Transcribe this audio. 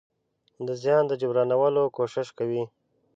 د زيان د جبرانولو کوشش کوي.